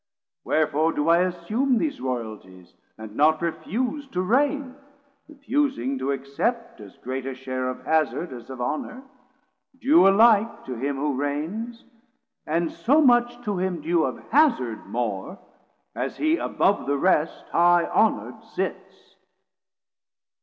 Wherefore do I assume 450 These Royalties, and not refuse to Reign, Refusing to accept as great a share Of hazard as of honour, due alike To him who Reigns, and so much to him due Of hazard more, as he above the rest High honourd sits?